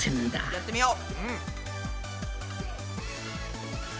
やってみよう！